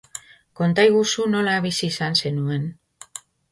Kontaiguzu nola bizi izan zenuen.